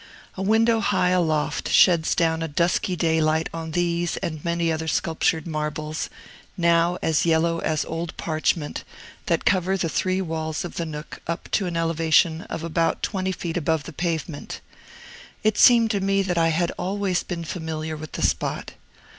A window high aloft sheds down a dusky daylight on these and many other sculptured marbles, now as yellow as old parchment, that cover the three walls of the nook up to an elevation of about twenty feet above the pavement. It seemed to me that I had always been familiar with the spot.